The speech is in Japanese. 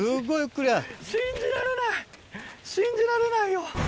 信じられない信じられないよ！